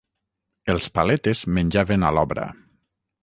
Els paletes menjaven a l'obra.